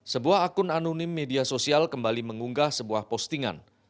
sebuah akun anonim media sosial kembali mengunggah sebuah postingan